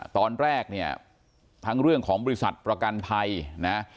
ตอนแรกเนี่ยทั้งเรื่องของบริษัทประกันภัยนะ